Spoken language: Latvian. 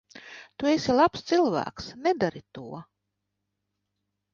Tu esi labs cilvēks. Nedari to.